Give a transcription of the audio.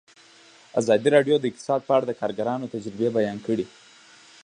ازادي راډیو د اقتصاد په اړه د کارګرانو تجربې بیان کړي.